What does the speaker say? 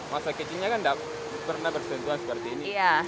masa kecilnya kan enggak pernah persentuhan seperti ini